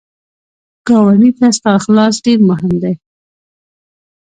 ګاونډي ته ستا اخلاص ډېر مهم دی